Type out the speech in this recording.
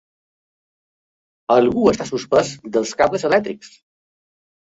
Algú està suspès dels cables elèctrics.